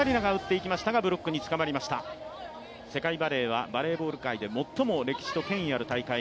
世界バレーはバレーボール界では最も歴史と権威ある大会。